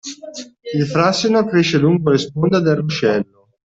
Il frassino cresce lungo le sponde del ruscello.